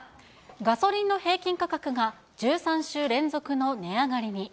ガソリンの平均価格が１３週連続の値上がりに。